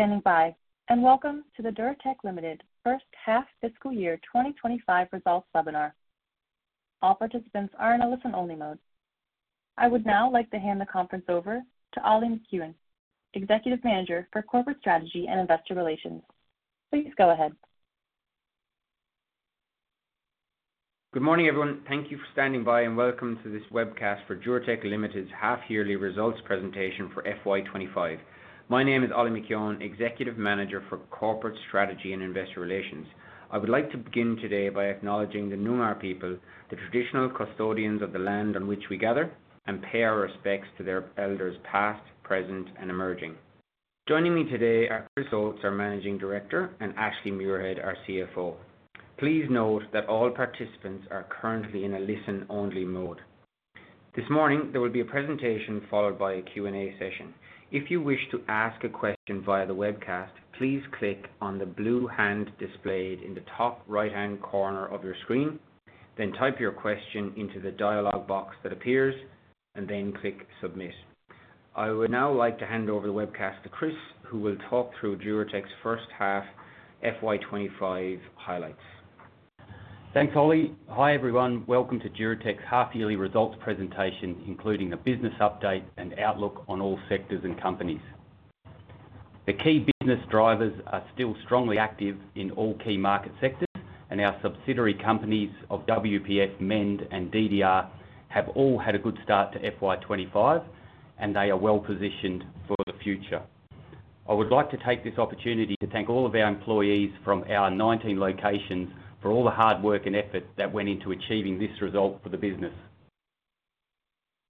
Thank you for standing by, and welcome to the Duratec Limited First Half Fiscal Year 2025 Results Webinar. All participants are in a listen-only mode. I would now like to hand the conference over to Ollie McKeon, Executive Manager for Corporate Strategy and Investor Relations. Please go ahead. Good morning, everyone. Thank you for standing by, and welcome to this webcast for Duratec Limited's half-yearly results presentation for FY25. My name is Ollie McKeon, Executive Manager for Corporate Strategy and Investor Relations. I would like to begin today by acknowledging the Nunar people, the traditional custodians of the land on which we gather, and pay our respects to their elders past, present, and emerging. Joining me today are Chris Oates, our Managing Director, and Ashley Muirhead, our CFO. Please note that all participants are currently in a listen-only mode. This morning, there will be a presentation followed by a Q&A session. If you wish to ask a question via the webcast, please click on the blue hand displayed in the top right-hand corner of your screen, then type your question into the dialogue box that appears, and then click Submit. I would now like to hand over the webcast to Chris, who will talk through Duratec's first half FY2025 highlights. Thanks, Ollie. Hi, everyone. Welcome to Duratec's half-yearly results presentation, including a business update and outlook on all sectors and companies. The key business drivers are still strongly active in all key market sectors, and our subsidiary companies of WPF, Mend, and DDR have all had a good start to FY25, and they are well positioned for the future. I would like to take this opportunity to thank all of our employees from our 19 locations for all the hard work and effort that went into achieving this result for the business.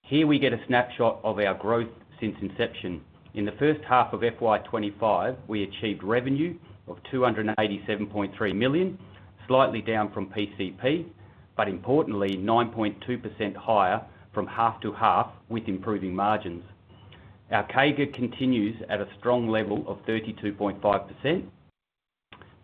Here we get a snapshot of our growth since inception. In the first half of FY25, we achieved revenue of 287.3 million, slightly down from PCP, but importantly, 9.2% higher from half to half with improving margins. Our CAGR continues at a strong level of 32.5%.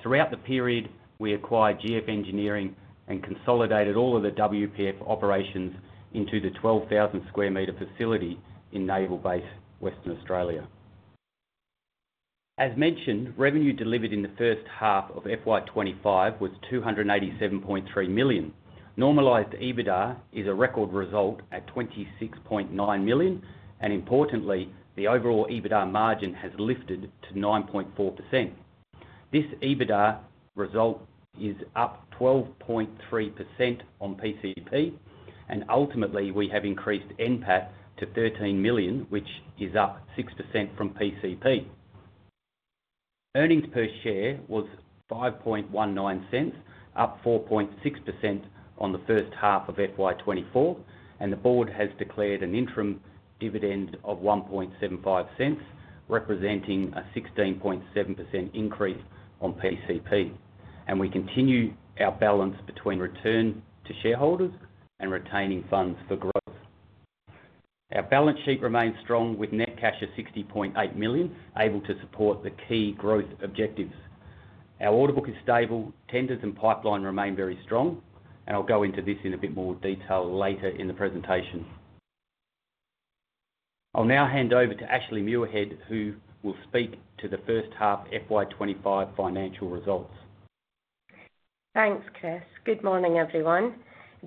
Throughout the period, we acquired GF Engineering and consolidated all of the WPF operations into the 12,000 sq m facility in Naval Base, Western Australia. As mentioned, revenue delivered in the first half of FY2025 was 287.3 million. Normalized EBITDA is a record result at 26.9 million, and importantly, the overall EBITDA margin has lifted to 9.4%. This EBITDA result is up 12.3% on PCP, and ultimately, we have increased NPAT to 13 million, which is up 6% from PCP. Earnings per share was 5.19, up 4.6% on the first half of FY2024, and the board has declared an interim dividend of 1.75, representing a 16.7% increase on PCP, and we continue our balance between return to shareholders and retaining funds for growth. Our balance sheet remains strong with net cash of 60.8 million, able to support the key growth objectives. Our order book is stable. Tenders and pipeline remain very strong, and I'll go into this in a bit more detail later in the presentation. I'll now hand over to Ashley Muirhead, who will speak to the first half FY25 financial results. Thanks, Chris. Good morning, everyone.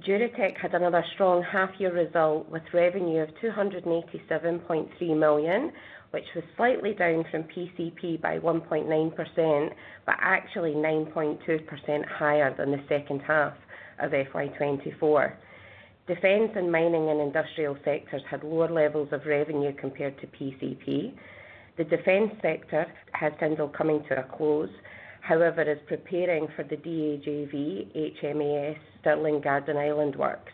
Duratec had another strong half-year result with revenue of 287.3 million, which was slightly down from PCP by 1.9%, but actually 9.2% higher than the second half of FY24. Defense and mining and industrial sectors had lower levels of revenue compared to PCP. The defense sector has since come to a close, however, is preparing for the DAJV, HMAS Sterling Garden Island works.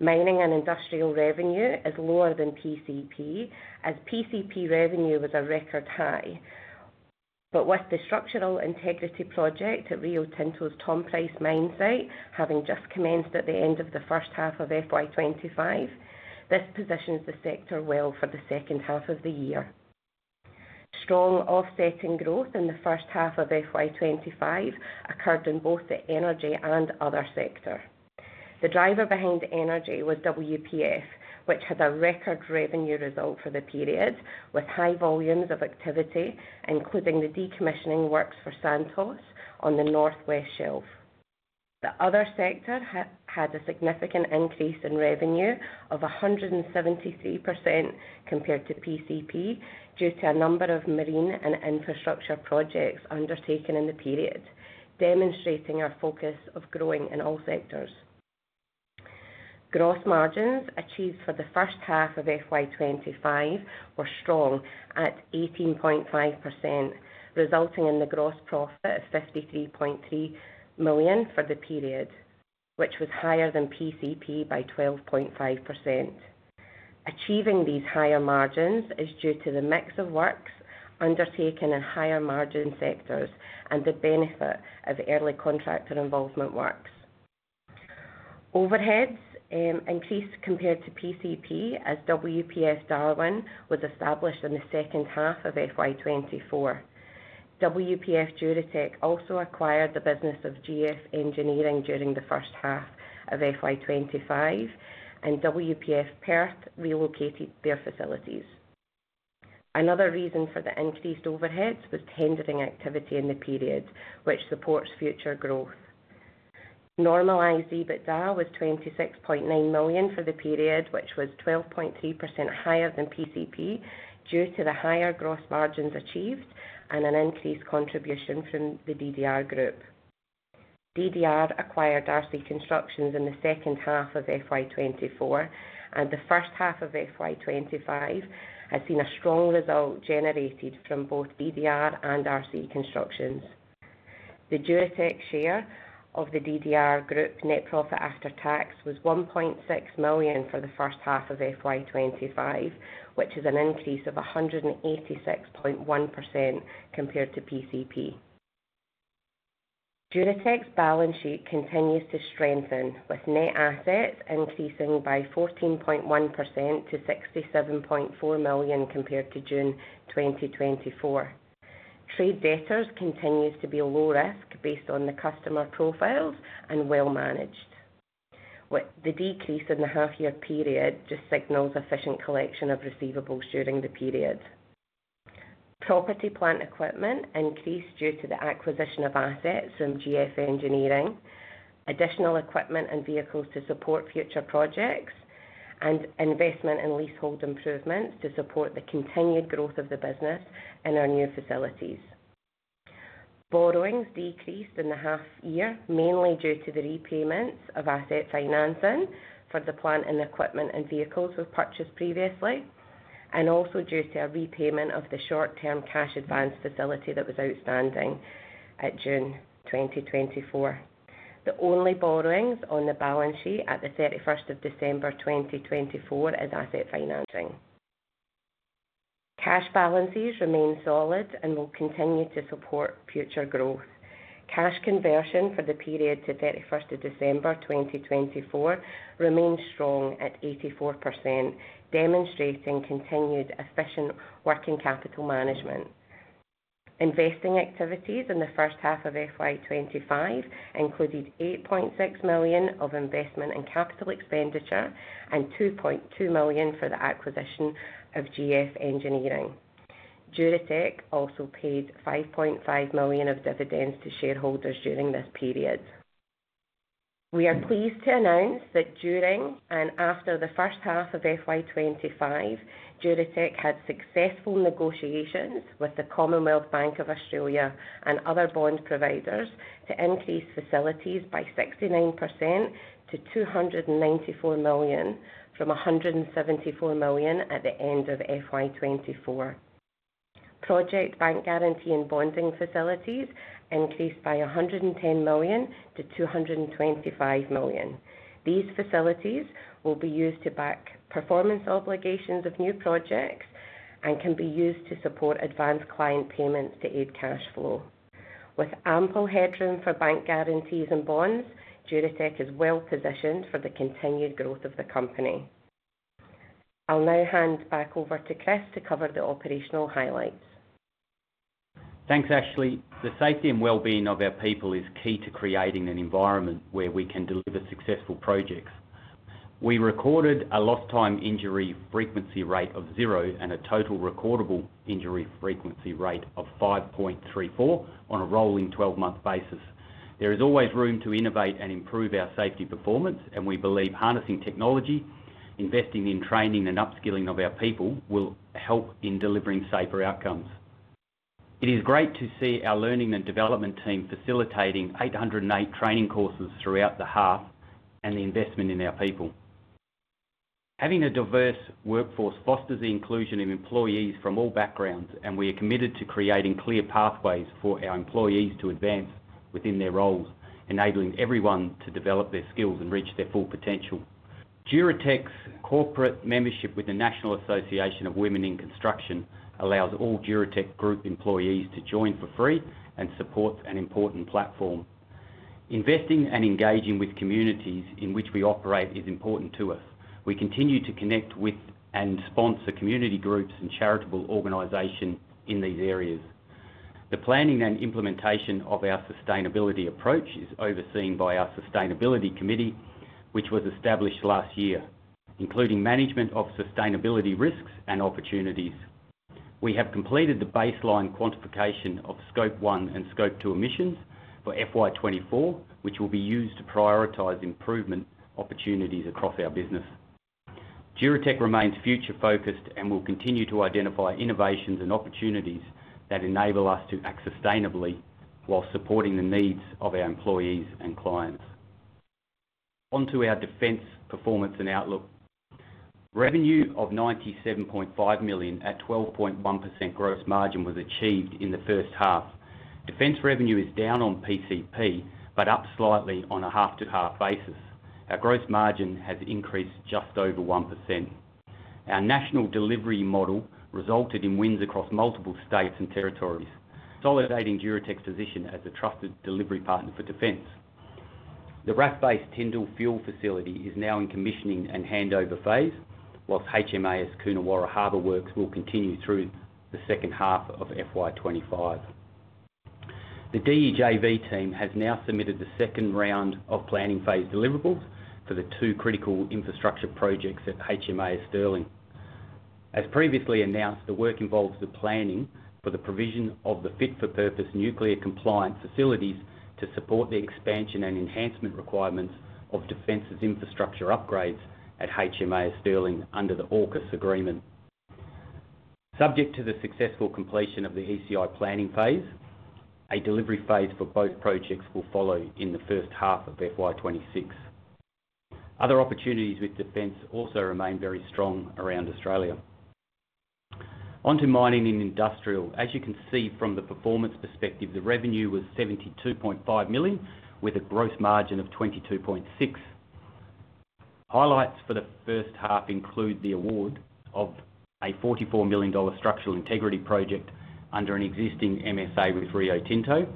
Mining and industrial revenue is lower than PCP, as PCP revenue was a record high, but with the structural integrity project at Rio Tinto's Tom Price mine site having just commenced at the end of the first half of FY25, this positions the sector well for the second half of the year. Strong offsetting growth in the first half of FY25 occurred in both the energy and other sector. The driver behind energy was WPF, which had a record revenue result for the period with high volumes of activity, including the decommissioning works for Santos on the northwest shelf. The other sector had a significant increase in revenue of 173% compared to PCP due to a number of marine and infrastructure projects undertaken in the period, demonstrating our focus of growing in all sectors. Gross margins achieved for the first half of FY2025 were strong at 18.5%, resulting in the gross profit of 53.3 million for the period, which was higher than PCP by 12.5%. Achieving these higher margins is due to the mix of works undertaken in higher margin sectors and the benefit of early contractor involvement works. Overheads increased compared to PCP as WPF Darwin was established in the second half of FY2024. WPF Duratec also acquired the business of GF Engineering during the first half of FY25, and WPF Perth relocated their facilities. Another reason for the increased overheads was tendering activity in the period, which supports future growth. Normalized EBITDA was 26.9 million for the period, which was 12.3% higher than PCP due to the higher gross margins achieved and an increased contribution from the DDR group. DDR acquired RC Constructions in the second half of FY24, and the first half of FY25 has seen a strong result generated from both DDR and RC Constructions. The Duratec share of the DDR group net profit after tax was 1.6 million for the first half of FY25, which is an increase of 186.1% compared to PCP. Duratec's balance sheet continues to strengthen, with net assets increasing by 14.1% to 67.4 million compared to June 2024. Trade debtors continue to be low risk based on the customer profiles and well managed. The decrease in the half-year period just signals efficient collection of receivables during the period. Property plant equipment increased due to the acquisition of assets from GF Engineering, additional equipment and vehicles to support future projects, and investment in leasehold improvements to support the continued growth of the business in our new facilities. Borrowings decreased in the half-year, mainly due to the repayments of asset financing for the plant and equipment and vehicles we've purchased previously, and also due to a repayment of the short-term cash advance facility that was outstanding at June 2024. The only borrowings on the balance sheet at the 31st of December 2024 is asset financing. Cash balances remain solid and will continue to support future growth. Cash conversion for the period to 31st of December 2024 remains strong at 84%, demonstrating continued efficient working capital management. Investing activities in the first half of FY25 included 8.6 million of investment in capital expenditure and 2.2 million for the acquisition of GF Engineering. Duratec also paid 5.5 million of dividends to shareholders during this period. We are pleased to announce that during and after the first half of FY25, Duratec had successful negotiations with the Commonwealth Bank of Australia and other bond providers to increase facilities by 69% to 294 million, from 174 million at the end of FY24. Project bank guarantee and bonding facilities increased by 110 million to 225 million. These facilities will be used to back performance obligations of new projects and can be used to support advanced client payments to aid cash flow. With ample headroom for bank guarantees and bonds, Duratec is well positioned for the continued growth of the company. I'll now hand back over to Chris to cover the operational highlights. Thanks, Ashley. The safety and well-being of our people is key to creating an environment where we can deliver successful projects. We recorded a lost-time injury frequency rate of zero and a total recordable injury frequency rate of 5.34 on a rolling 12-month basis. There is always room to innovate and improve our safety performance, and we believe harnessing technology, investing in training and upskilling of our people will help in delivering safer outcomes. It is great to see our learning and development team facilitating 808 training courses throughout the half and the investment in our people. Having a diverse workforce fosters the inclusion of employees from all backgrounds, and we are committed to creating clear pathways for our employees to advance within their roles, enabling everyone to develop their skills and reach their full potential. Duratec's corporate membership with the National Association of Women in Construction allows all Duratec Group employees to join for free and supports an important platform. Investing and engaging with communities in which we operate is important to us. We continue to connect with and sponsor community groups and charitable organizations in these areas. The planning and implementation of our sustainability approach is overseen by our Sustainability Committee, which was established last year, including management of sustainability risks and opportunities. We have completed the baseline quantification of Scope 1 and Scope 2 emissions for FY24, which will be used to prioritize improvement opportunities across our business. Duratec remains future-focused and will continue to identify innovations and opportunities that enable us to act sustainably while supporting the needs of our employees and clients. Onto our defense performance and outlook. Revenue of 97.5 million at 12.1% gross margin was achieved in the first half. Defense revenue is down on PCP but up slightly on a half-to-half basis. Our gross margin has increased just over 1%. Our national delivery model resulted in wins across multiple states and territories, consolidating Duratec's position as a trusted delivery partner for defense. The RAF-based Tindal fuel facility is now in commissioning and handover phase, whilst HMAS Coonawarra Harbour Works will continue through the second half of FY25. The DEJV team has now submitted the second round of planning phase deliverables for the two critical infrastructure projects at HMAS Sterling. As previously announced, the work involves the planning for the provision of the fit-for-purpose nuclear compliant facilities to support the expansion and enhancement requirements of defense's infrastructure upgrades at HMAS Sterling under the AUKUS agreement. Subject to the successful completion of the ECI planning phase, a delivery phase for both projects will follow in the first half of FY26. Other opportunities with defense also remain very strong around Australia. Onto mining and industrial. As you can see from the performance perspective, the revenue was 72.5 million with a gross margin of 22.6 million. Highlights for the first half include the award of a 44 million dollar structural integrity project under an existing MSA with Rio Tinto.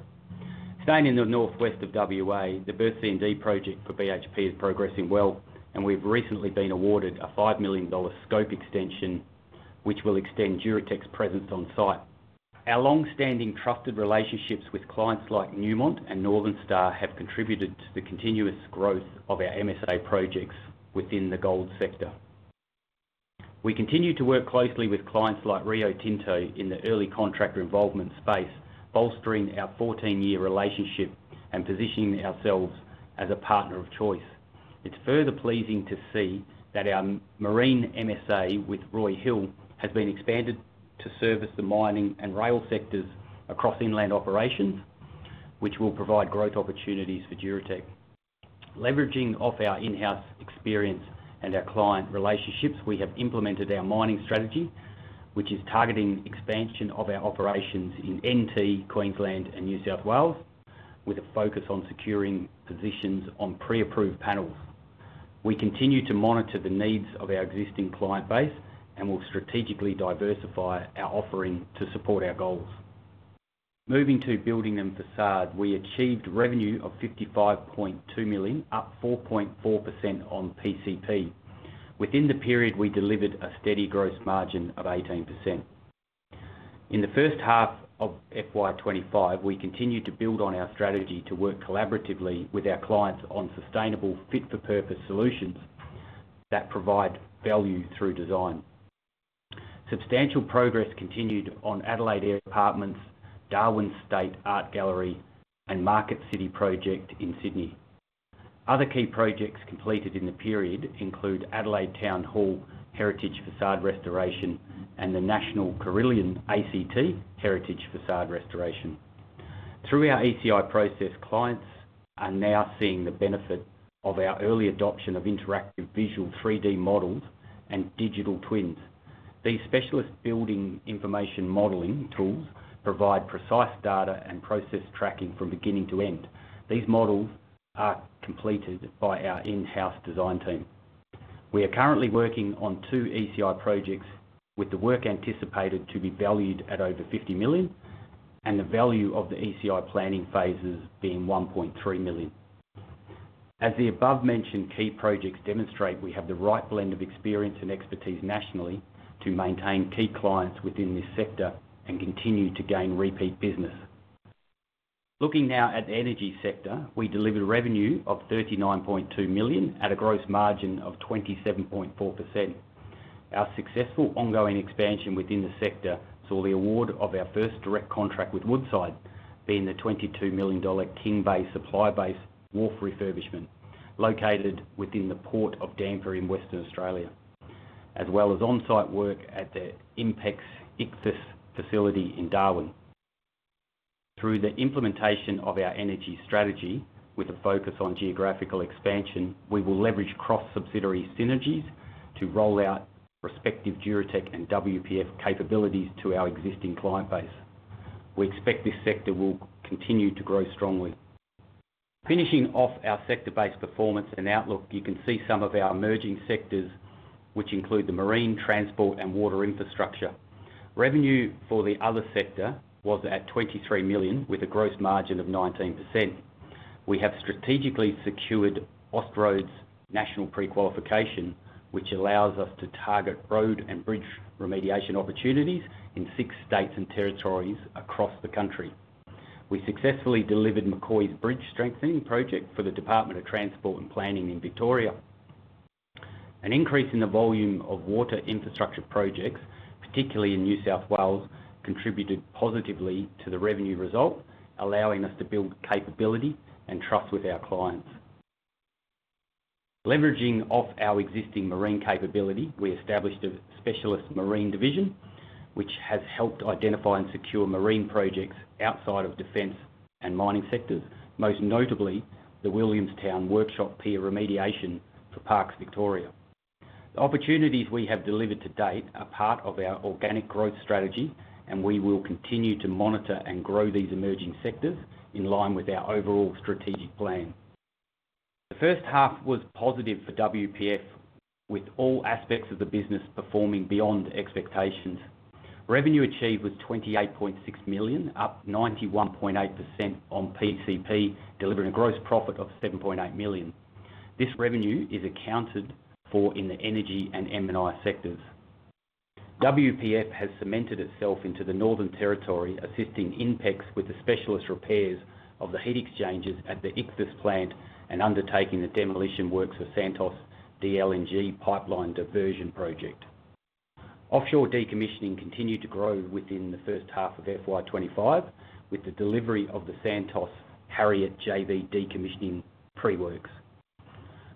Staying in the northwest of WA, the Berth C&D project for BHP is progressing well, and we've recently been awarded a 5 million dollar scope extension, which will extend Duratec's presence on site. Our long-standing trusted relationships with clients like Newmont and Northern Star have contributed to the continuous growth of our MSA projects within the gold sector. We continue to work closely with clients like Rio Tinto in the early contractor involvement space, bolstering our 14-year relationship and positioning ourselves as a partner of choice. It is further pleasing to see that our marine MSA with Roy Hill has been expanded to service the mining and rail sectors across inland operations, which will provide growth opportunities for Duratec. Leveraging our in-house experience and our client relationships, we have implemented our mining strategy, which is targeting expansion of our operations in Northern Territory, Queensland, and New South Wales, with a focus on securing positions on pre-approved panels. We continue to monitor the needs of our existing client base and will strategically diversify our offering to support our goals. Moving to building and facade, we achieved revenue of 55.2 million, up 4.4% on PCP. Within the period, we delivered a steady gross margin of 18%. In the first half of FY25, we continued to build on our strategy to work collaboratively with our clients on sustainable fit-for-purpose solutions that provide value through design. Substantial progress continued on Adelaide Air Apartments, Darwin State Art Gallery, and Market City project in Sydney. Other key projects completed in the period include Adelaide Town Hall heritage facade restoration and the National Carillion ACT heritage facade restoration. Through our ECI process, clients are now seeing the benefit of our early adoption of interactive visual 3D models and digital twins. These specialist building information modeling tools provide precise data and process tracking from beginning to end. These models are completed by our in-house design team. We are currently working on two ECI projects with the work anticipated to be valued at over 50 million and the value of the ECI planning phases being 1.3 million. As the above-mentioned key projects demonstrate, we have the right blend of experience and expertise nationally to maintain key clients within this sector and continue to gain repeat business. Looking now at the energy sector, we delivered revenue of 39.2 million at a gross margin of 27.4%. Our successful ongoing expansion within the sector saw the award of our first direct contract with Woodside being the 22 million dollar King Bay Supply Base wharf refurbishment located within the Port of Dampier in Western Australia, as well as on-site work at the IMPEX ICFAS facility in Darwin. Through the implementation of our energy strategy with a focus on geographical expansion, we will leverage cross-subsidiary synergies to roll out respective Duratec and WPF capabilities to our existing client base. We expect this sector will continue to grow strongly. Finishing off our sector-based performance and outlook, you can see some of our emerging sectors, which include the marine, transport, and water infrastructure. Revenue for the other sector was at 23 million with a gross margin of 19%. We have strategically secured OSTROAD's national pre-qualification, which allows us to target road and bridge remediation opportunities in six states and territories across the country. We successfully delivered McCoy's bridge strengthening project for the Department of Transport and Planning in Victoria. An increase in the volume of water infrastructure projects, particularly in New South Wales, contributed positively to the revenue result, allowing us to build capability and trust with our clients. Leveraging our existing marine capability, we established a specialist marine division, which has helped identify and secure marine projects outside of defense and mining sectors, most notably the Williamstown Workshop Pier remediation for Parks Victoria. The opportunities we have delivered to date are part of our organic growth strategy, and we will continue to monitor and grow these emerging sectors in line with our overall strategic plan. The first half was positive for WPF, with all aspects of the business performing beyond expectations. Revenue achieved was 28.6 million, up 91.8% on PCP, delivering a gross profit of 7.8 million. This revenue is accounted for in the energy and M&I sectors. WPF has cemented itself into the Northern Territory, assisting IMPEX with the specialist repairs of the heat exchangers at the ICFAS plant and undertaking the demolition works for Santos DLNG pipeline diversion project. Offshore decommissioning continued to grow within the first half of FY2025, with the delivery of the Santos Harriet JV decommissioning pre-works.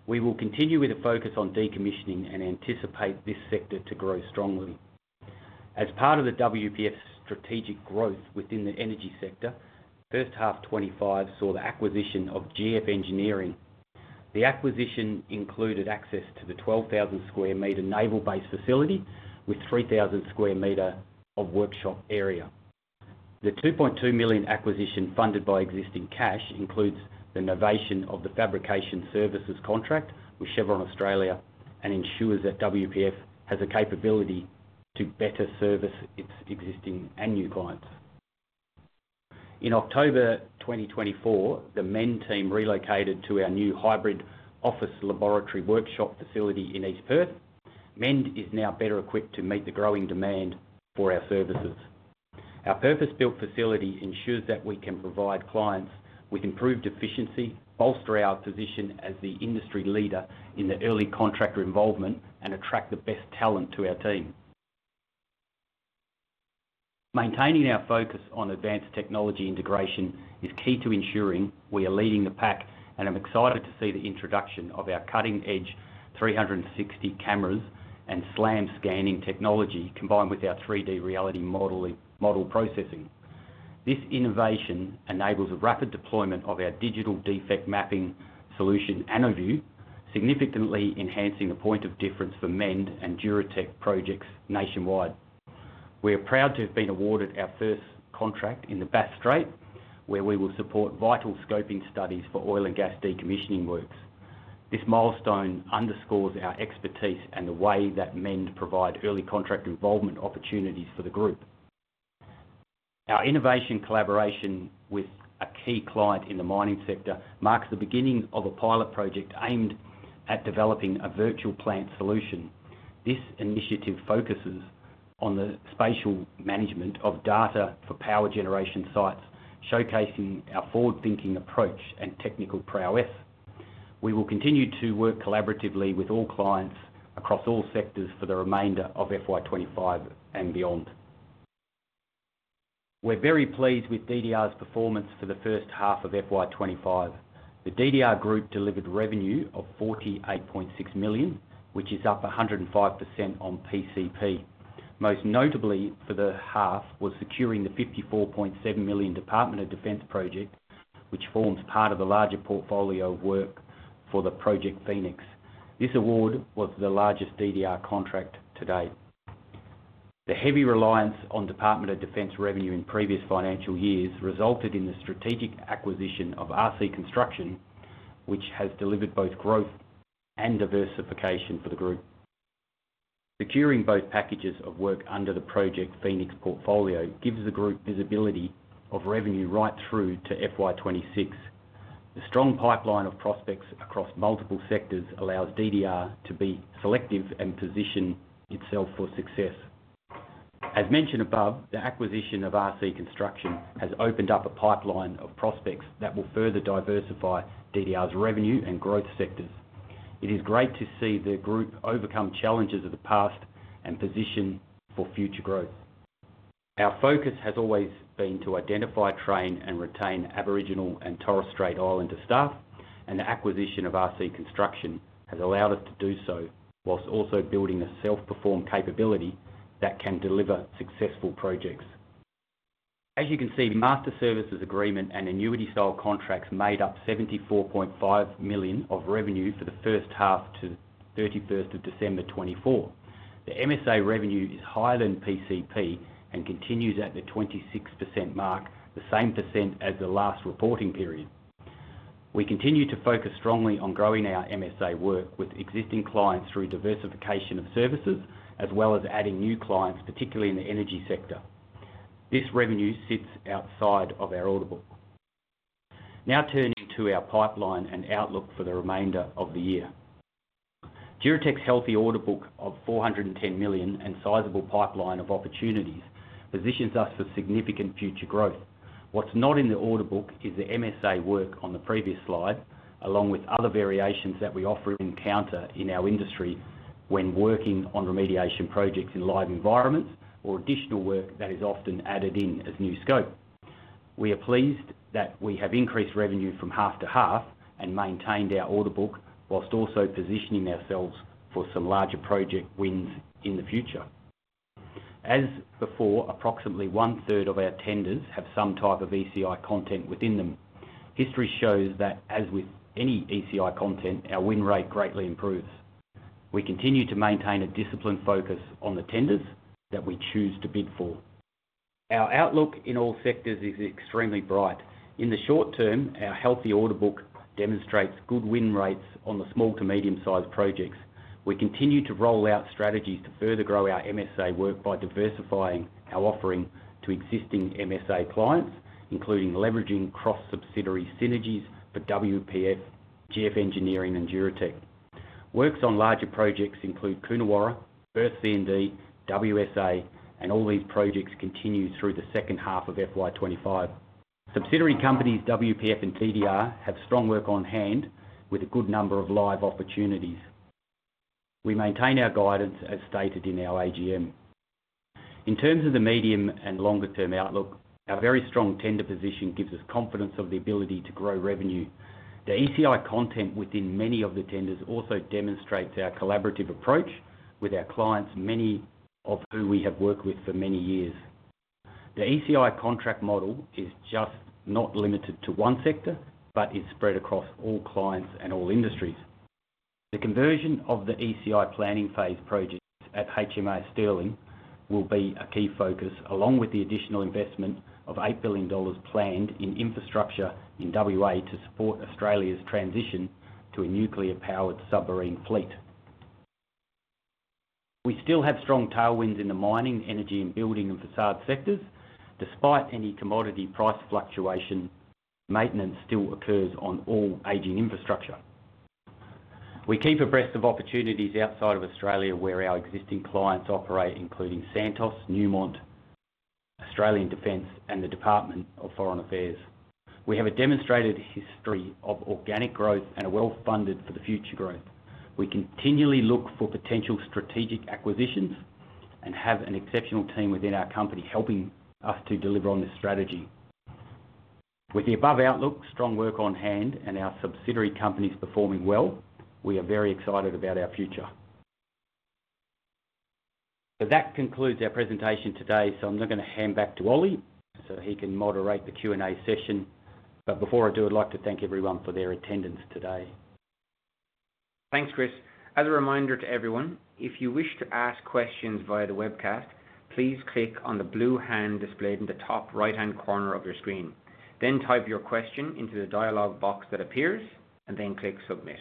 We will continue with a focus on decommissioning and anticipate this sector to grow strongly. As part of WPF's strategic growth within the energy sector, first half 2025 saw the acquisition of GF Engineering. The acquisition included access to the 12,000 sq m Naval Base facility with 3,000 sq m of workshop area. The 2.2 million acquisition funded by existing cash includes the novation of the fabrication services contract with Chevron Australia and ensures that WPF has a capability to better service its existing and new clients. In October 2024, the MEND team relocated to our new hybrid office laboratory workshop facility in East Perth. MEND is now better equipped to meet the growing demand for our services. Our purpose-built facility ensures that we can provide clients with improved efficiency, bolster our position as the industry leader in early contractor involvement, and attract the best talent to our team. Maintaining our focus on advanced technology integration is key to ensuring we are leading the pack, and I'm excited to see the introduction of our cutting-edge 360 cameras and SLAM scanning technology combined with our 3D reality model processing. This innovation enables a rapid deployment of our digital defect mapping solution, ANOVUE, significantly enhancing the point of difference for MEND and Duratec projects nationwide. We are proud to have been awarded our first contract in the Bass Strait, where we will support vital scoping studies for oil and gas decommissioning works. This milestone underscores our expertise and the way that MEND provides early contract involvement opportunities for the group. Our innovation collaboration with a key client in the mining sector marks the beginning of a pilot project aimed at developing a virtual plant solution. This initiative focuses on the spatial management of data for power generation sites, showcasing our forward-thinking approach and technical prowess. We will continue to work collaboratively with all clients across all sectors for the remainder of FY25 and beyond. We're very pleased with DDR's performance for the first half of FY25. The DDR group delivered revenue of 48.6 million, which is up 105% on PCP. Most notably for the half was securing the 54.7 million Department of Defense project, which forms part of the larger portfolio of work for the Project Phoenix. This award was the largest DDR contract to date. The heavy reliance on Department of Defense revenue in previous financial years resulted in the strategic acquisition of RC Constructions, which has delivered both growth and diversification for the group. Securing both packages of work under the Project Phoenix portfolio gives the group visibility of revenue right through to FY26. The strong pipeline of prospects across multiple sectors allows DDR to be selective and position itself for success. As mentioned above, the acquisition of RC Constructions has opened up a pipeline of prospects that will further diversify DDR's revenue and growth sectors. It is great to see the group overcome challenges of the past and position for future growth. Our focus has always been to identify, train, and retain Aboriginal and Torres Strait Islander staff, and the acquisition of RC Constructions has allowed us to do so whilst also building a self-perform capability that can deliver successful projects. As you can see, the master services agreement and annuity-style contracts made up 74.5 million of revenue for the first half to 31st of December 2024. The MSA revenue is higher than PCP and continues at the 26% mark, the same % as the last reporting period. We continue to focus strongly on growing our MSA work with existing clients through diversification of services, as well as adding new clients, particularly in the energy sector. This revenue sits outside of our order book. Now turning to our pipeline and outlook for the remainder of the year. Duratec's healthy order book of 410 million and sizable pipeline of opportunities positions us for significant future growth. What's not in the order book is the MSA work on the previous slide, along with other variations that we often encounter in our industry when working on remediation projects in live environments or additional work that is often added in as new scope. We are pleased that we have increased revenue from half to half and maintained our order book whilst also positioning ourselves for some larger project wins in the future. As before, approximately one-third of our tenders have some type of ECI content within them. History shows that, as with any ECI content, our win rate greatly improves. We continue to maintain a disciplined focus on the tenders that we choose to bid for. Our outlook in all sectors is extremely bright. In the short term, our healthy order book demonstrates good win rates on the small to medium-sized projects. We continue to roll out strategies to further grow our MSA work by diversifying our offering to existing MSA clients, including leveraging cross-subsidiary synergies for WPF, GF Engineering, and Duratec. Works on larger projects include Coonawarra, Berth C&D, WSA, and all these projects continue through the second half of FY2025. Subsidiary companies WPF and TDR have strong work on hand with a good number of live opportunities. We maintain our guidance as stated in our AGM. In terms of the medium and longer-term outlook, our very strong tender position gives us confidence of the ability to grow revenue. The ECI content within many of the tenders also demonstrates our collaborative approach with our clients, many of whom we have worked with for many years. The ECI contract model is just not limited to one sector, but is spread across all clients and all industries. The conversion of the ECI planning phase projects at HMAS Sterling will be a key focus, along with the additional investment of 8 billion dollars planned in infrastructure in Western Australia to support Australia's transition to a nuclear-powered submarine fleet. We still have strong tailwinds in the mining, energy, and building and facade sectors. Despite any commodity price fluctuation, maintenance still occurs on all aging infrastructure. We keep abreast of opportunities outside of Australia where our existing clients operate, including Santos, Newmont, Australian Defence, and the Department of Foreign Affairs. We have a demonstrated history of organic growth and are well-funded for the future growth. We continually look for potential strategic acquisitions and have an exceptional team within our company helping us to deliver on this strategy. With the above outlook, strong work on hand, and our subsidiary companies performing well, we are very excited about our future. That concludes our presentation today, so I'm now going to hand back to Ollie so he can moderate the Q&A session. Before I do, I'd like to thank everyone for their attendance today. Thanks, Chris.As a reminder to everyone, if you wish to ask questions via the webcast, please click on the blue hand displayed in the top right-hand corner of your screen. Then type your question into the dialogue box that appears and click Submit.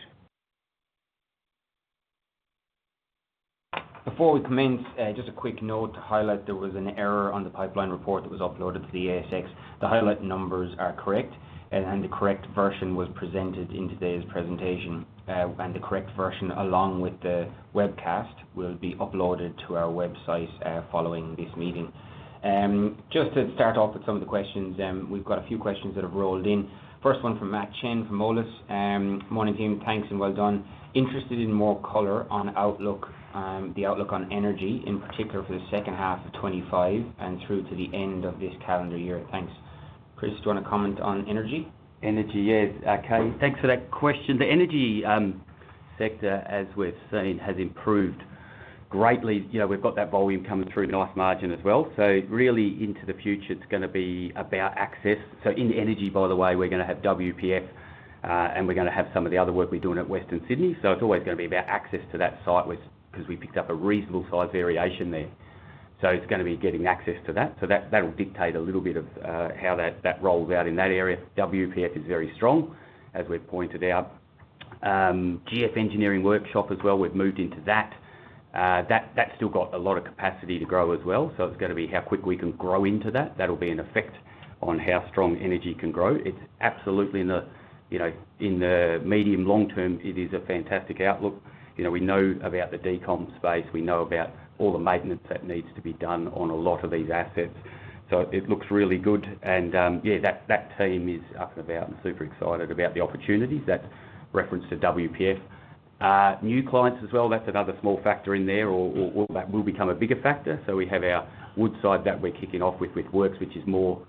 Before we commence, just a quick note to highlight there was an error on the pipeline report that was uploaded to the ASX. The highlighted numbers are correct, and the correct version was presented in today's presentation. The correct version, along with the webcast, will be uploaded to our website following this meeting. Just to start off with some of the questions, we've got a few questions that have rolled in. First one from Matt Chen from OLUS. Morning, team. Thanks and well done. Interested in more color on the outlook on energy, in particular for the second half of 2025 and through to the end of this calendar year. Thanks. Chris, do you want to comment on energy? Energy, yes. Okay. Thanks for that question. The energy sector, as we've seen, has improved greatly. We've got that volume coming through, nice margin as well. Really into the future, it's going to be about access. In energy, by the way, we're going to have WPF, and we're going to have some of the other work we're doing at Western Sydney. It's always going to be about access to that site because we picked up a reasonable size variation there. It's going to be getting access to that. That will dictate a little bit of how that rolls out in that area. WPF is very strong, as we've pointed out. GF Engineering Workshop as well. We've moved into that. That's still got a lot of capacity to grow as well. It is going to be how quick we can grow into that. That will be an effect on how strong energy can grow. It is absolutely in the medium-long term, it is a fantastic outlook. We know about the DCOM space. We know about all the maintenance that needs to be done on a lot of these assets. It looks really good. Yeah, that team is up and about and super excited about the opportunities that reference to WPF. New clients as well, that is another small factor in there or that will become a bigger factor. We have our Woodside that we are kicking off with works, which is more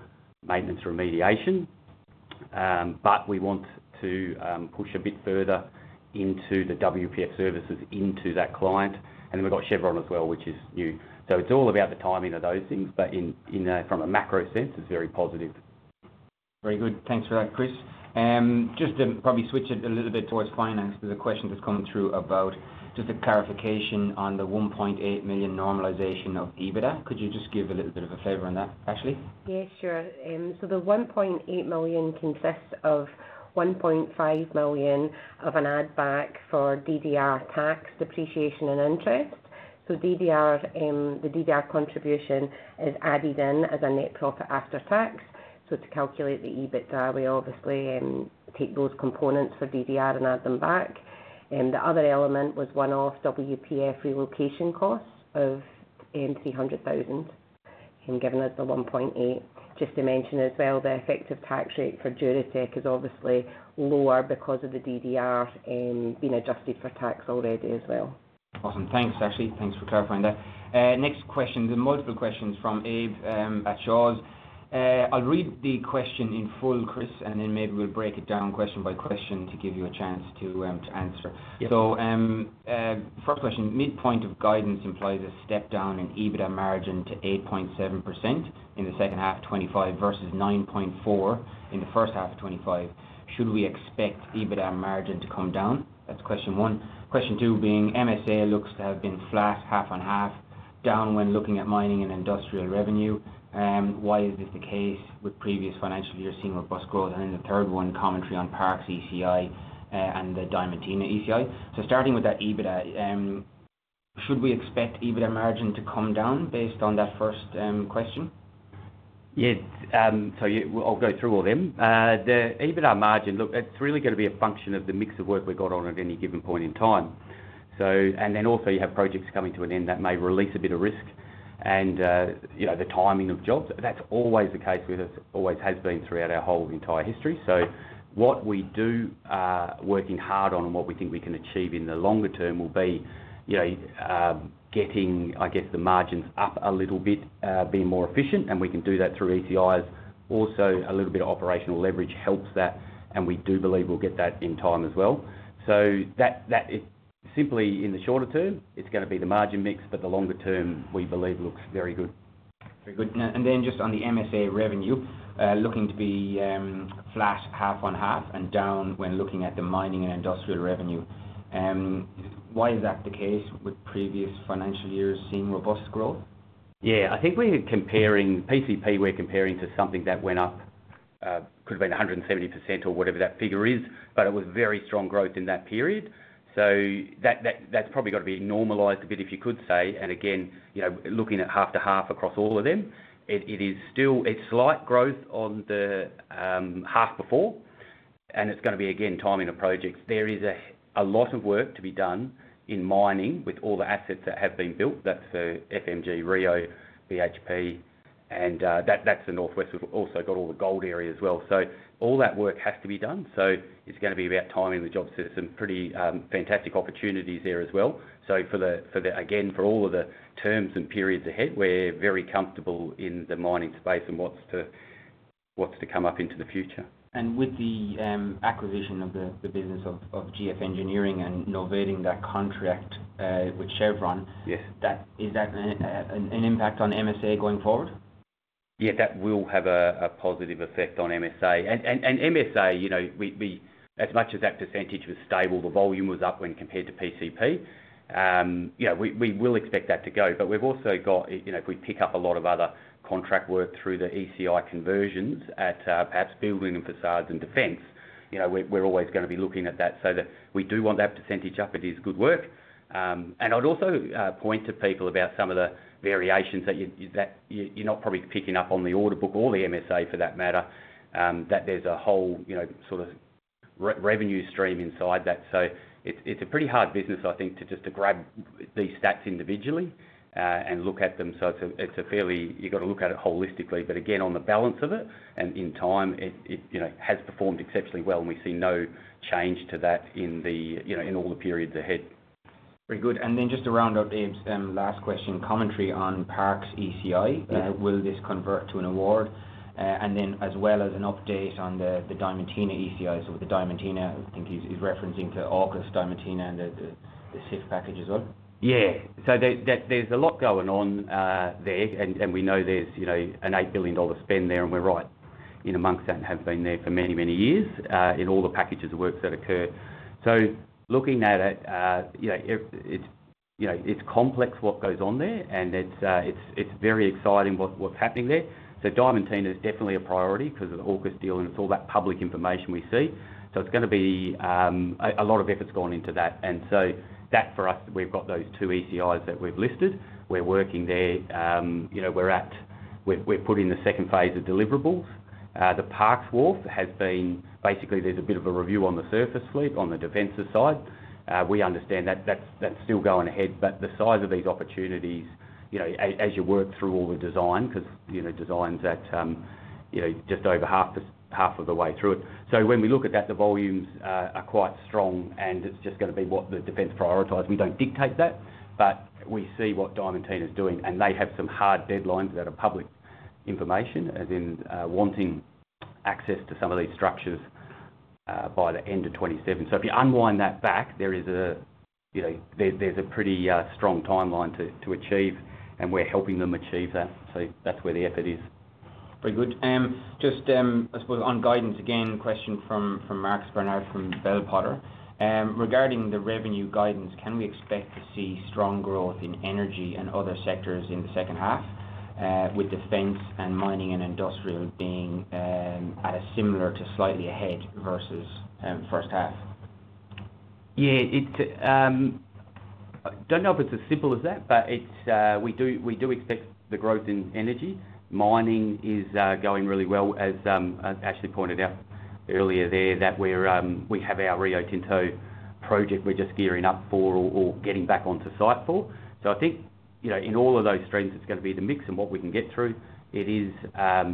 maintenance remediation. We want to push a bit further into the WPF services into that client. We have Chevron as well, which is new. It is all about the timing of those things. From a macro sense, it is very positive. Very good. Thanks for that, Chris. Just to probably switch it a little bit towards finance, there is a question that has come through about just a clarification on the 1.8 million normalization of EBITDA. Could you just give a little bit of a flavor on that, Ashley? Yeah, sure. The 1.8 million consists of 1.5 million of an add-back for DDR tax, depreciation, and interest. The DDR contribution is added in as a net profit after tax. To calculate the EBITDA, we obviously take those components for DDR and add them back. The other element was one-off WPF relocation costs of 300,000, given as the 1.8 million. Just to mention as well, the effective tax rate for Duratec is obviously lower because of the DDR being adjusted for tax already as well. Awesome. Thanks, Ashley. Thanks for clarifying that. Next question. There are multiple questions from Abe at Shaw's. I'll read the question in full, Chris, and then maybe we'll break it down question by question to give you a chance to answer. First question, midpoint of guidance implies a step down in EBITDA margin to 8.7% in the second half of 2025 versus 9.4% in the first half of 2025. Should we expect EBITDA margin to come down? That's question one. Question two being, MSA looks to have been flat, half and half, down when looking at mining and industrial revenue. Why is this the case with previous financial years seeing robust growth? Then the third one, commentary on PARC's ECI and the Diamantina ECI. Starting with that EBITDA, should we expect EBITDA margin to come down based on that first question? Yeah. I'll go through all of them. The EBITDA margin, look, it's really going to be a function of the mix of work we've got on at any given point in time. You have projects coming to an end that may release a bit of risk and the timing of jobs. That's always the case with us, always has been throughout our whole entire history. What we do, working hard on and what we think we can achieve in the longer term, will be getting, I guess, the margins up a little bit, being more efficient. We can do that through ECIs. Also, a little bit of operational leverage helps that. We do believe we'll get that in time as well. Simply in the shorter term, it's going to be the margin mix, but the longer term, we believe, looks very good. Very good. Just on the MSA revenue, looking to be flat, half and half, and down when looking at the mining and industrial revenue. Why is that the case with previous financial years seeing robust growth? Yeah. I think we're comparing PCP, we're comparing to something that went up, could have been 170% or whatever that figure is, but it was very strong growth in that period. That's probably got to be normalized a bit, if you could say. Again, looking at half to half across all of them, it is still slight growth on the half before. It's going to be, again, timing of projects. There is a lot of work to be done in mining with all the assets that have been built. That's the FMG, Rio, BHP, and that's the northwest. We've also got all the gold area as well. All that work has to be done. It's going to be about timing the jobs. There are some pretty fantastic opportunities there as well. For all of the terms and periods ahead, we're very comfortable in the mining space and what's to come up into the future. With the acquisition of the business of GF Engineering and Norvedding, that contract with Chevron, is that an impact on MSA going forward? Yeah, that will have a positive effect on MSA. MSA, as much as that percentage was stable, the volume was up when compared to PCP. We will expect that to go. We've also got, if we pick up a lot of other contract work through the ECI conversions at perhaps building and facades and defence, we're always going to be looking at that. We do want that percentage up. It is good work. I'd also point to people about some of the variations that you're not probably picking up on the order book, or the MSA for that matter, that there's a whole sort of revenue stream inside that. It's a pretty hard business, I think, to just grab these stats individually and look at them. It's a fairly, you've got to look at it holistically. Again, on the balance of it, and in time, it has performed exceptionally well. We've seen no change to that in all the periods ahead. Very good. And then just to round up, Abe, last question, commentary on PARC's ECI. Will this convert to an award? As well as an update on the Diamantina ECI. With the Diamantina, I think he's referencing Oakless Diamantina and the SIF package as well. Yeah. There's a lot going on there. We know there's an 8 billion dollar spend there. We're right in amongst that and have been there for many, many years in all the packages of work that occur. Looking at it, it's complex what goes on there. It's very exciting what's happening there. Diamantina is definitely a priority because of the Oakless deal and it's all that public information we see. It's going to be a lot of efforts going into that. For us, we've got those two ECIs that we've listed. We're working there. We're putting the second phase of deliverables. The PARC's wharf has been basically there's a bit of a review on the surface fleet on the defense side. We understand that that's still going ahead. The size of these opportunities, as you work through all the design, because design's at just over half of the way through it. When we look at that, the volumes are quite strong. It's just going to be what the defense prioritizes. We don't dictate that. We see what Diamantina is doing. They have some hard deadlines that are public information, as in wanting access to some of these structures by the end of 2027. If you unwind that back, there's a pretty strong timeline to achieve. We're helping them achieve that. That's where the effort is. Very good. Just, I suppose, on guidance, again, question from Markus Brenner from Bell Potter. Regarding the revenue guidance, can we expect to see strong growth in energy and other sectors in the second half, with defence and mining and industrial being at a similar to slightly ahead versus first half? Yeah. I don't know if it's as simple as that, but we do expect the growth in energy. Mining is going really well, as Ashley pointed out earlier there, that we have our Rio Tinto project we're just gearing up for or getting back onto site for. I think in all of those streams, it's going to be the mix and what we can get through. It is, I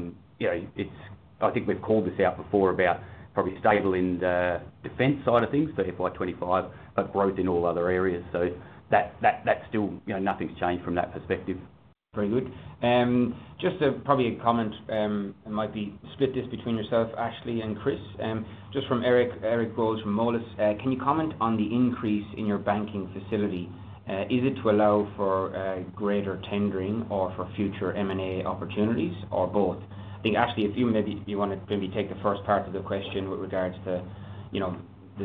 think we've called this out before about probably stable in the defence side of things, the FY2025, but growth in all other areas. That's still nothing's changed from that perspective. Very good. Just probably a comment, and might be split this between yourself, Ashley and Chris. Just from Eric Brills from OLUS, can you comment on the increase in your banking facility? Is it to allow for greater tendering or for future M&A opportunities or both? I think, Ashley, if you maybe want to maybe take the first part of the question with regards to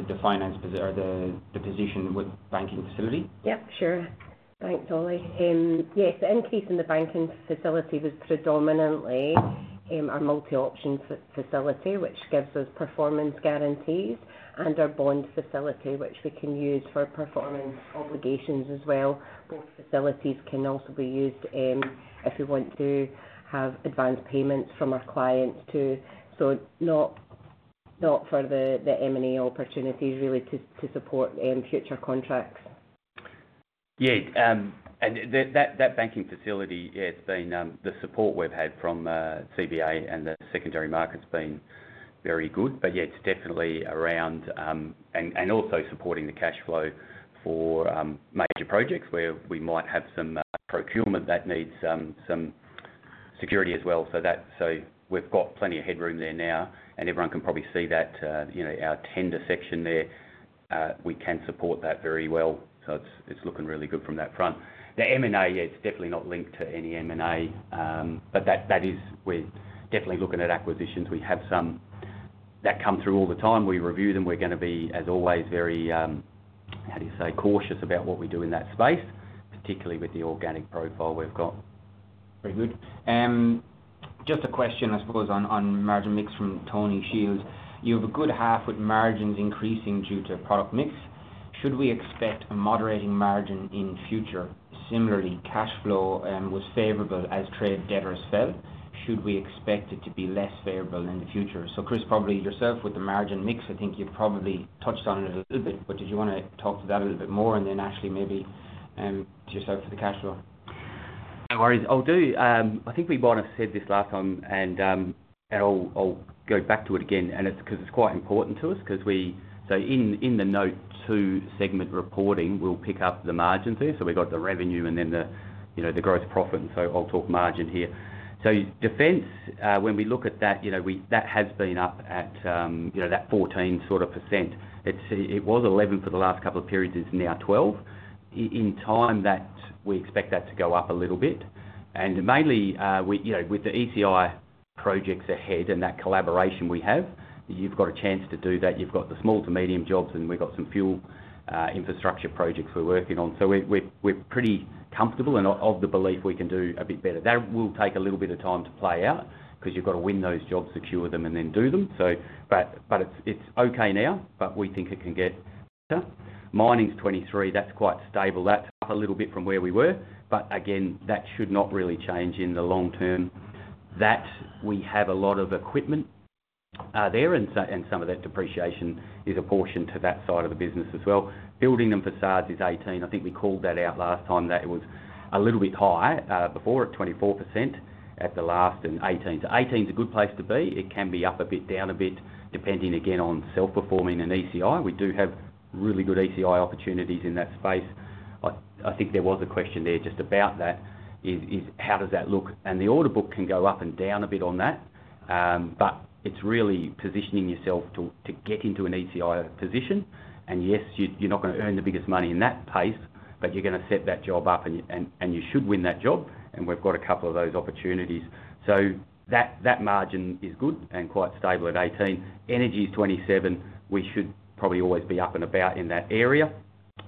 the finance or the position with banking facility? Yep, sure. Thanks, Ollie. Yes, the increase in the banking facility was predominantly our multi-option facility, which gives us performance guarantees, and our bond facility, which we can use for performance obligations as well. Both facilities can also be used if we want to have advanced payments from our clients too. Not for the M&A opportunities really to support future contracts. Yeah.That banking facility, the support we've had from CBA and the secondary market's been very good. Yeah, it's definitely around and also supporting the cash flow for major projects where we might have some procurement that needs some security as well. We've got plenty of headroom there now. Everyone can probably see that our tender section there, we can support that very well. It's looking really good from that front. The M&A, it's definitely not linked to any M&A. That is, we're definitely looking at acquisitions. We have some that come through all the time. We review them. We're going to be, as always, very—how do you say?—cautious about what we do in that space, particularly with the organic profile we've got. Very good. Just a question, I suppose, on margin mix from Tony Shields.You have a good half with margins increasing due to product mix. Should we expect a moderating margin in future? Similarly, cash flow was favorable as trade debtors fell. Should we expect it to be less favorable in the future? Chris, probably yourself with the margin mix, I think you've probably touched on it a little bit, but did you want to talk to that a little bit more? Ashley, maybe to yourself for the cash flow. No worries. I'll do. I think we might have said this last time, and I'll go back to it again. It is quite important to us because we—in the note two segment reporting, we'll pick up the margins there. We have the revenue and then the gross profit. I'll talk margin here. Defence, when we look at that, that has been up at that 14% sort of percent. It was 11% for the last couple of periods. It's now 12%. In time, we expect that to go up a little bit. Mainly with the ECI projects ahead and that collaboration we have, you've got a chance to do that. You've got the small to medium jobs, and we've got some fuel infrastructure projects we're working on. We're pretty comfortable and of the belief we can do a bit better. That will take a little bit of time to play out because you've got to win those jobs, secure them, and then do them. It's okay now, but we think it can get better. Mining's 23%. That's quite stable. That's up a little bit from where we were. Again, that should not really change in the long term. That we have a lot of equipment there and some of that depreciation is apportioned to that side of the business as well. Building and facades is 18. I think we called that out last time that it was a little bit higher before at 24% at the last and 18. So 18% is a good place to be. It can be up a bit, down a bit, depending again on self-performing and ECI. We do have really good ECI opportunities in that space. I think there was a question there just about that is how does that look? The order book can go up and down a bit on that. It is really positioning yourself to get into an ECI position. Yes, you are not going to earn the biggest money in that place, but you are going to set that job up and you should win that job. We've got a couple of those opportunities. That margin is good and quite stable at 18%. Energy is 27%. We should probably always be up and about in that area,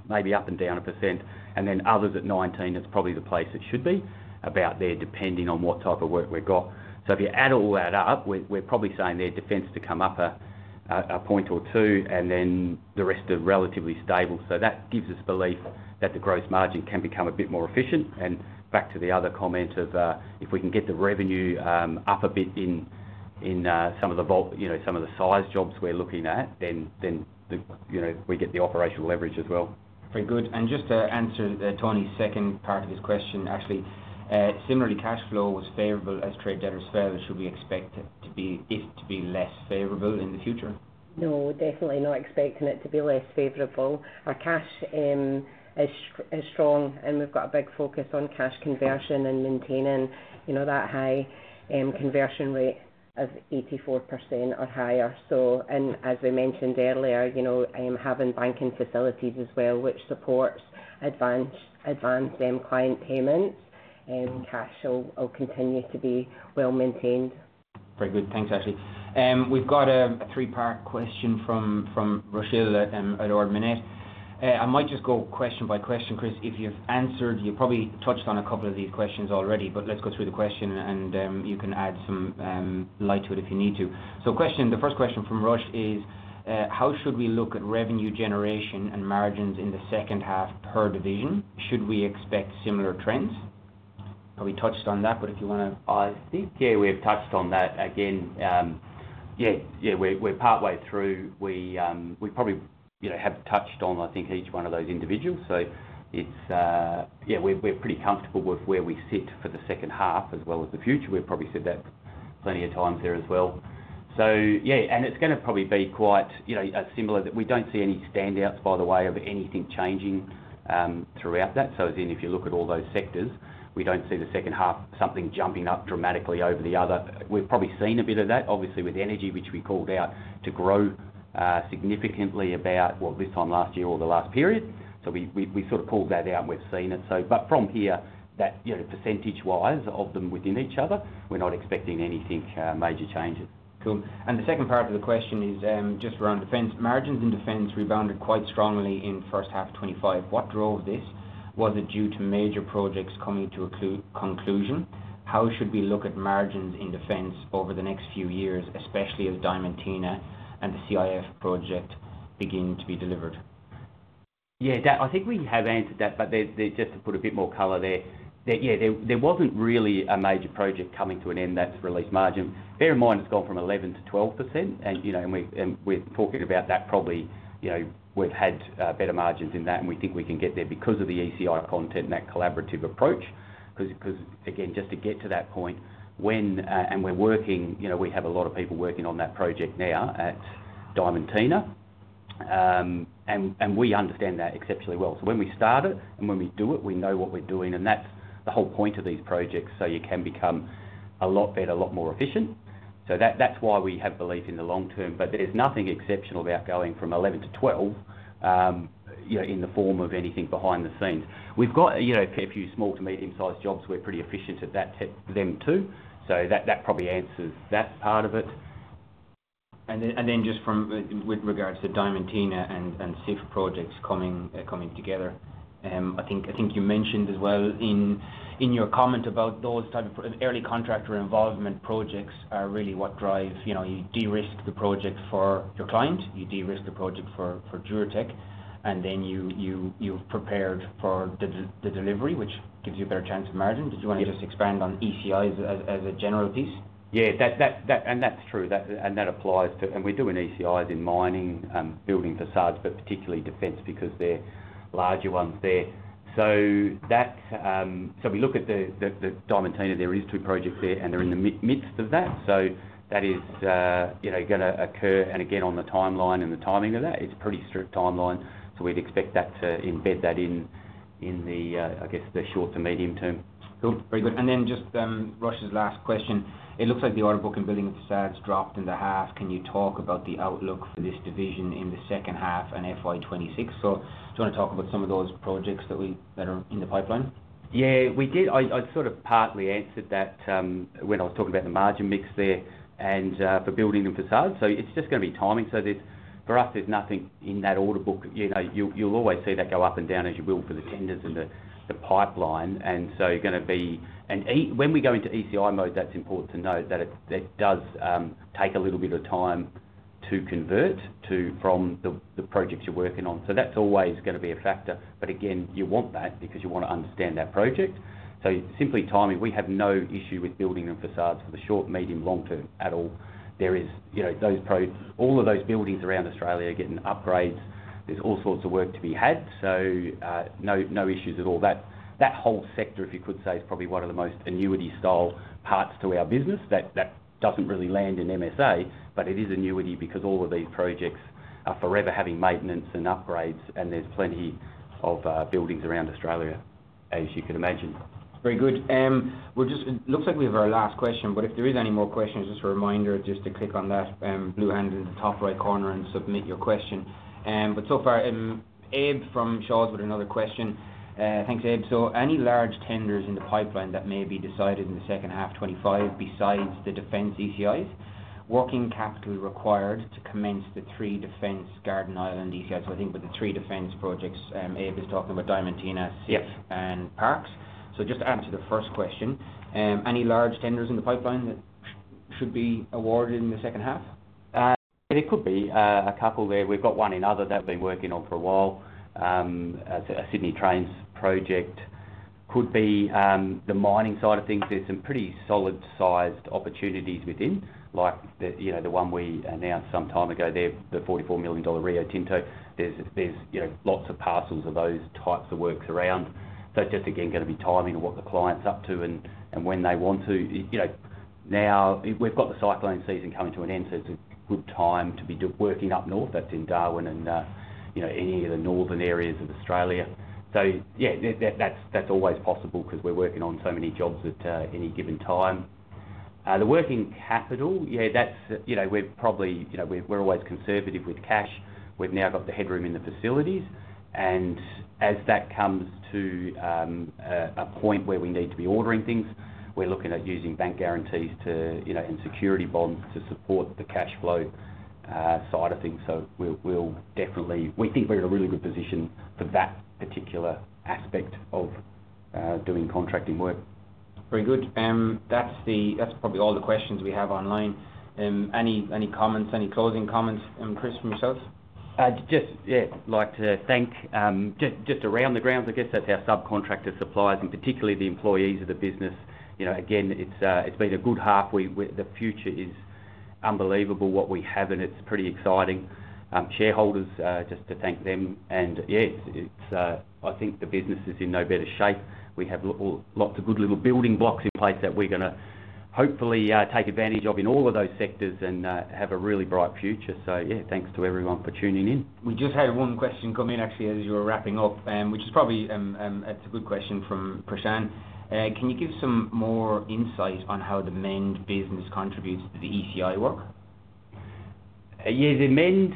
maybe up and down a percent. Others at 19%, it's probably the place it should be about there, depending on what type of work we've got. If you add all that up, we're probably saying there defense to come up a point or two and then the rest are relatively stable. That gives us belief that the gross margin can become a bit more efficient. Back to the other comment of if we can get the revenue up a bit in some of the size jobs we're looking at, then we get the operational leverage as well. Very good. Just to answer Tony's second part of his question, Ashley, similarly, cash flow was favorable as trade debtors fell. Should we expect it to be less favorable in the future? No, we're definitely not expecting it to be less favorable. Our cash is strong and we've got a big focus on cash conversion and maintaining that high conversion rate of 84% or higher. As we mentioned earlier, having banking facilities as well, which supports advanced client payments, cash will continue to be well maintained. Very good. Thanks, Ashley. We've got a three-part question from Rochelle at Ord Minnet. I might just go question by question, Chris. If you've answered, you've probably touched on a couple of these questions already, but let's go through the question and you can add some light to it if you need to. The first question from Rush is, how should we look at revenue generation and margins in the second half per division? Should we expect similar trends? Probably touched on that, but if you want to. I think yeah, we've touched on that. Again, yeah, we're partway through. We probably have touched on, I think, each one of those individuals. Yeah, we're pretty comfortable with where we sit for the second half as well as the future. We've probably said that plenty of times there as well. Yeah, and it's going to probably be quite similar that we don't see any standouts, by the way, of anything changing throughout that. As in, if you look at all those sectors, we don't see the second half something jumping up dramatically over the other. We've probably seen a bit of that, obviously, with energy, which we called out to grow significantly about, well, this time last year or the last period. We sort of called that out and we've seen it. From here, percentage-wise of them within each other, we're not expecting anything major changes. Cool. The second part of the question is just around defence. Margins in defence rebounded quite strongly in first half of 2025. What drove this? Was it due to major projects coming to a conclusion? How should we look at margins in defence over the next few years, especially as Diamantina and the CIF project begin to be delivered? Yeah, I think we have answered that, but just to put a bit more colour there, there wasn't really a major project coming to an end that's released margin. Bear in mind it's gone from 11% to 12%. We're talking about that probably we've had better margins in that and we think we can get there because of the ECI content and that collaborative approach. Again, just to get to that point, we're working, we have a lot of people working on that project now at Diamantina. We understand that exceptionally well. When we start it and when we do it, we know what we're doing. That's the whole point of these projects. You can become a lot better, a lot more efficient. That's why we have belief in the long term. There's nothing exceptional about going from 11% to 12% in the form of anything behind the scenes. We've got a few small to medium-sized jobs. We're pretty efficient at them too. That probably answers that part of it. Just with regards to Diamantina and SIF projects coming together, I think you mentioned as well in your comment about those types of early contractor involvement projects are really what drive you de-risk the project for your client. You de-risk the project for Duratec. Then you have prepared for the delivery, which gives you a better chance of margin. Did you want to just expand on ECIs as a general piece? Yeah, and that's true. That applies to, and we're doing ECIs in mining, building facades, but particularly defense because they're larger ones there. We look at the Diamantina. There are two projects there, and they're in the midst of that. That is going to occur. Again, on the timeline and the timing of that, it's a pretty strict timeline. We'd expect that to embed that in the, I guess, the short to medium term. Cool. Very good. Just Rush's last question. It looks like the order book in building and facades dropped in the half. Can you talk about the outlook for this division in the second half and FY2026? Do you want to talk about some of those projects that are in the pipeline? Yeah, we did. I sort of partly answered that when I was talking about the margin mix there and for building and facades. It's just going to be timing. For us, there's nothing in that order book. You'll always see that go up and down as you build for the tenders and the pipeline. You're going to be, and when we go into ECI mode, that's important to note that it does take a little bit of time to convert from the projects you're working on. That's always going to be a factor. Again, you want that because you want to understand that project. Simply timing, we have no issue with building and facades for the short, medium, long term at all. There are all of those buildings around Australia getting upgrades. There is all sorts of work to be had. No issues at all. That whole sector, if you could say, is probably one of the most annuity-style parts to our business. That does not really land in MSA, but it is annuity because all of these projects are forever having maintenance and upgrades, and there are plenty of buildings around Australia, as you can imagine. Very good.It looks like we have our last question, but if there are any more questions, just a reminder to click on that blue hand in the top right corner and submit your question. So far, Eb from Charles with another question. Thanks, Eb. Any large tenders in the pipeline that may be decided in the second half 2025 besides the defense ECIs? Working capital required to commence the three defense Garden Island ECIs? I think with the three defense projects, Eb is talking about Diamantina, SIF, and Parks. To answer the first question, any large tenders in the pipeline that should be awarded in the second half? There could be a couple there. We have one in other that we have been working on for a while. A Sydney Trains project could be the mining side of things. There's some pretty solid-sized opportunities within, like the one we announced some time ago there, the 44 million dollar Rio Tinto. There's lots of parcels of those types of works around. Just again, going to be timing what the client's up to and when they want to. Now, we've got the cyclone season coming to an end, so it's a good time to be working up north. That's in Darwin and any of the northern areas of Australia. Yeah, that's always possible because we're working on so many jobs at any given time. The working capital, yeah, we're probably always conservative with cash. We've now got the headroom in the facilities. As that comes to a point where we need to be ordering things, we're looking at using bank guarantees and security bonds to support the cash flow side of things. We think we're in a really good position for that particular aspect of doing contracting work. Very good. That's probably all the questions we have online. Any comments? Any closing comments? Chris, from yourself? Just, yeah, like to thank just around the grounds, I guess that's our subcontractor suppliers, and particularly the employees of the business. Again, it's been a good half. The future is unbelievable what we have, and it's pretty exciting. Shareholders, just to thank them. Yeah, I think the business is in no better shape. We have lots of good little building blocks in place that we're going to hopefully take advantage of in all of those sectors and have a really bright future. Yeah, thanks to everyone for tuning in. We just had one question come in, actually, as you were wrapping up, which is probably a good question from Prashant.Can you give some more insight on how the Mend business contributes to the ECI work? Yeah, the Mend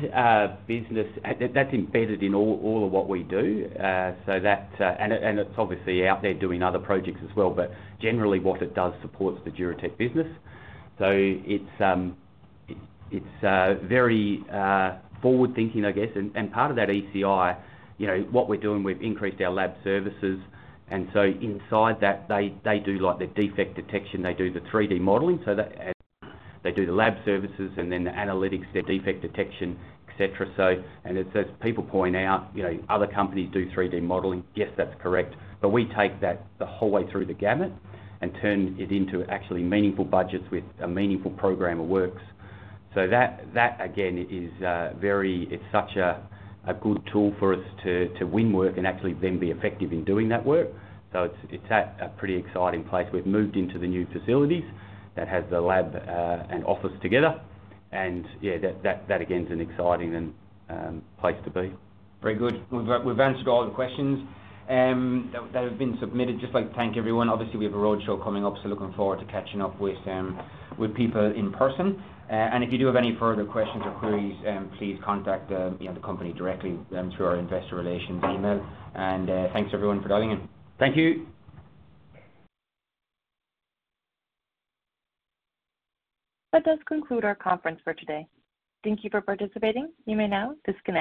business, that's embedded in all of what we do. It's obviously out there doing other projects as well, but generally what it does supports the Duratec business. It's very forward-thinking, I guess. Part of that ECI, what we're doing, we've increased our lab services. Inside that, they do the defect detection. They do the 3D modeling. They do the lab services and then the analytics, defect detection, etc. As people point out, other companies do 3D modeling. Yes, that's correct. We take that the whole way through the gamut and turn it into actually meaningful budgets with a meaningful program of works. That, again, is such a good tool for us to win work and actually then be effective in doing that work. It is a pretty exciting place. We've moved into the new facilities that has the lab and office together. Yeah, that again is an exciting place to be. Very good. We've answered all the questions that have been submitted. Just like to thank everyone. Obviously, we have a roadshow coming up, so looking forward to catching up with people in person. If you do have any further questions or queries, please contact the company directly through our investor relations email. Thanks everyone for dialing in. Thank you. That does conclude our conference for today. Thank you for participating. You may now disconnect.